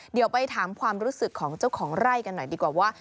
เดี๋ยวไปถามความรู้สึกของเจ้าของไร่กันหน่อยดีกว่าว่า